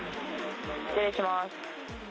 失礼します。